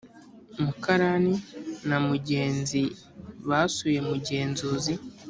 mukarani na mugenzi basuye mugenzuzi